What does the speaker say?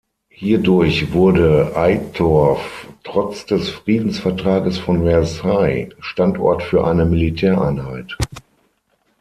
Hierdurch wurde Eitorf trotz des Friedensvertrages von Versailles Standort für eine Militäreinheit.